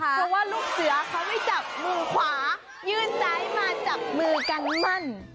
เพราะว่าลูกเสือเขาไม่จับมือขวายื่นซ้ายมาจับมือกันมั่น